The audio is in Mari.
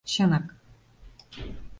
— Чынак.